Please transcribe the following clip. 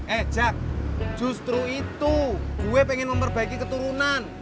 eh jack justru itu gue pengen memperbaiki keturunan